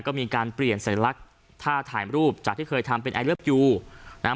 ก็มีการเปลี่ยนสัญลักษณ์ท่าถ่ายรูปจากที่เคยทำเป็นไอเลิฟยูนะฮะ